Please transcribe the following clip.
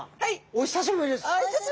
お久しぶりです。